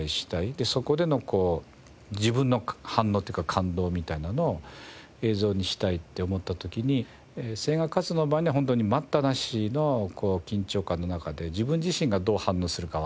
でそこでの自分の反応というか感動みたいなのを映像にしたいって思った時に船外活動の場合にはホントに待ったなしの緊張感の中で自分自身がどう反応するかわからない。